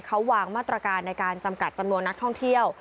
เขาวางมาตรการในการจำกัดจำนวนนักท่องเที่ยว